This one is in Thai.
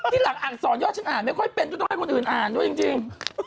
ที่หลังอักษรยอดฉันอ่านไม่ค่อยเป็นก็ต้องให้คนอื่นอ่านด้วยจริง